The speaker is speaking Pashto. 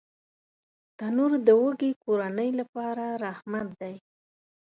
تنور د وږې کورنۍ لپاره رحمت دی